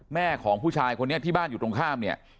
แม่ของผู้ชายคนนี้ที่บ้านอยู่ตรงข้ามเนี่ย